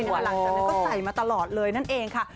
หลังจากนั้นก็ใส่มาตลอดเลยนั่นเองค่ะ